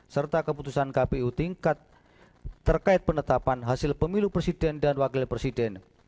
serta keputusan kpu tingkat terkait penetapan hasil pemilu presiden dan wakil presiden